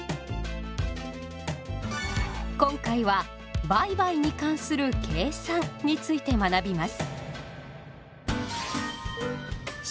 今回は「売買に関する計算」について学びます。